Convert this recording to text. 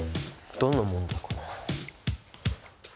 どんな問題かな。